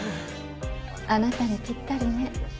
あなたにぴったりね